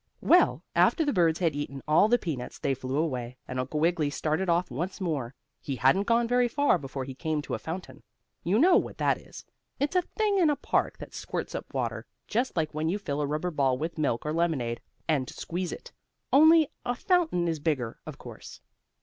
Well, after the birds had eaten all the peanuts they flew away, and Uncle Wiggily started off once more. He hadn't gone very far before he came to a fountain. You know what that is. It's a thing in a park that squirts up water, just like when you fill a rubber ball with milk or lemonade and squeeze it. Only a fountain is bigger, of course.